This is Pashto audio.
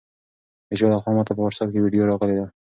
د چا لخوا ماته په واټساپ کې ویډیو راغلې ده؟